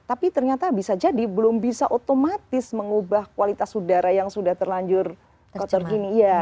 tapi ternyata bisa jadi belum bisa otomatis mengubah kualitas udara yang sudah terlanjur kotor gini